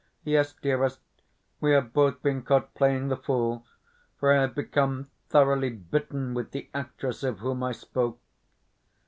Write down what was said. Yes, dearest, we have both been caught playing the fool, for I have become thoroughly bitten with the actress of whom I spoke.